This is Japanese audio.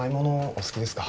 お好きですか？